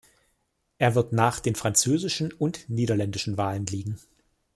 Er wird nach den französischen und niederländischen Wahlen liegen.